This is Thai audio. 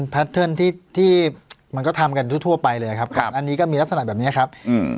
ประเทินที่มันก็ทำกันทั่วไปเลยหรือครับอันนี้ก็มีลักษณะแบบเงี้ยครับ